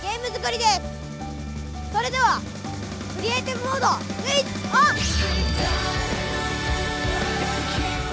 それではクリエーティブモードスイッチオン！